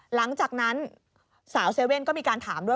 หลังจากนั้นสาวเซเว่นก็มีการถามด้วย